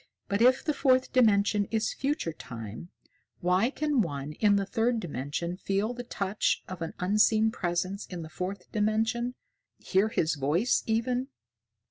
"But if the Fourth Dimension is future Time, why can one in the third dimension feel the touch of an unseen presence in the Fourth Dimension hear his voice, even?"